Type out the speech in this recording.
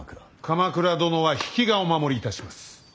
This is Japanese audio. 鎌倉殿は比企がお守りいたします。